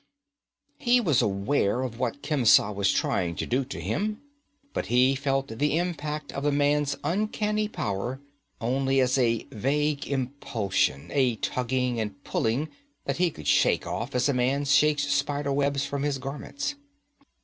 He was aware of what Khemsa was trying to do to him; but he felt the impact of the man's uncanny power only as a vague impulsion, a tugging and pulling that he could shake off as a man shakes spiderwebs from his garments.